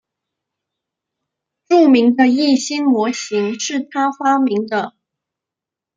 著名的易辛模型是他发明的。